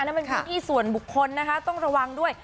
นั่นเป็นพื้นที่ส่วนบุคคลนะคะต้องระวังด้วย